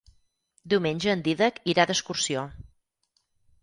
Diumenge en Dídac irà d'excursió.